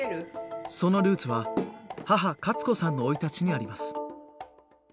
そのルーツは母カツ子さんの生い立ちにあります。